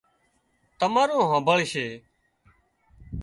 تمارون هانمڀۯشي